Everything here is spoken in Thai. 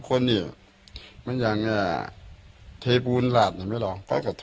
ถ้าไปพูดอย่างนั้นเขาก็หาให้เราโลบดิ